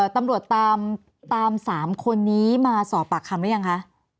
ตำรวจตาม๓คนนี้มาสอบปากคำหรือยังคะ